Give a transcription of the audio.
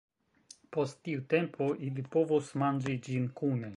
Post tiu tempo, ili povos manĝi ĝin kune.